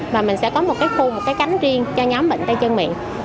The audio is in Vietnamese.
và mình sẽ có một khu một cánh riêng cho nhóm bệnh tay chân miệng